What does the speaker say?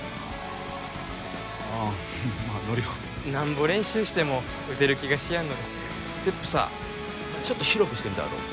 ああうんまあ乗るよなんぼ練習しても打てる気がしやんのですがステップさちょっと広くしてみたらどう？